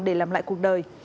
để làm lại cuộc đời